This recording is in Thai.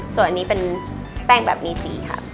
ส่วนอันนี้เป็นแป้งแบบมีสีค่ะ